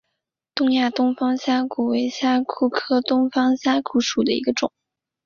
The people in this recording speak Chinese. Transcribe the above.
东亚东方虾蛄为虾蛄科东方虾蛄属下的一个种。